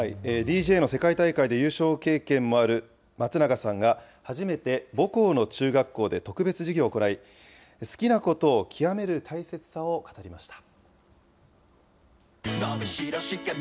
ＤＪの世界大会での優勝経験もある松永さんが、初めて母校の中学校で特別授業を行い、好きなことを極める大切さを語りました。